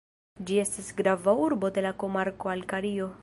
Ĝi estas grava urbo de la komarko Alkario.